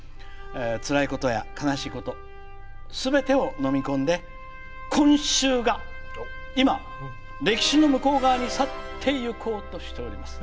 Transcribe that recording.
つらいことや、悲しいことすべてを飲み込んで今週が、今、歴史の向こう側に去っていこうとしております。